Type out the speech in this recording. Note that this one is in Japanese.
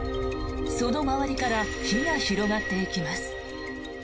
その周りから火が広がっていきます。